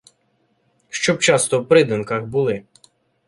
Щоб часто в приданках були